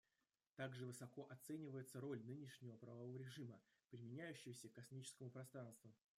Также высоко оценивается роль нынешнего правового режима, применяющегося к космическому пространству.